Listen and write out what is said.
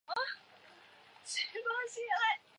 唯节目内的介面以至字幕全部均使用简体字。